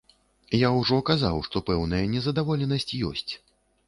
Я ўжо казаў, што пэўная незадаволенасць ёсць.